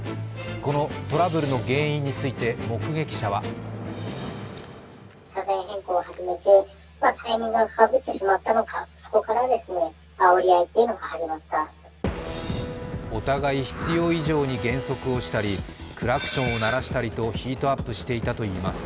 このトラブルの原因について目撃者はお互い必要以上に減速をしたりクラクションを鳴らしたりとヒートアップしていたといいます。